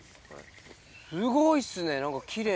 すごいっすね何か奇麗。